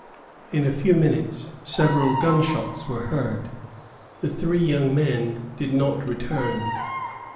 In a few minutes several gunshots were heard. The three young men did not return.